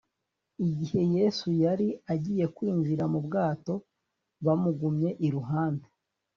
igihe yesu yari agiye kwinjira mu bwato, bamugumye iruhande,